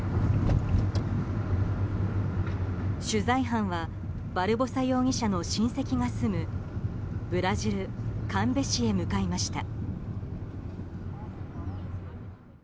取材班はバルボサ容疑者の親戚が住むブラジル・カンベ市へ向かいました。